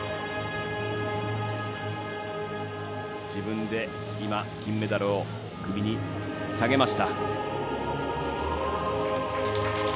自分で今金メダルを首に提げました。